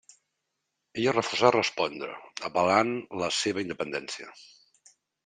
Ella refusa respondre, apel·lant la seva independència.